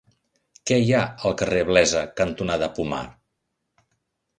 Què hi ha al carrer Blesa cantonada Pomar?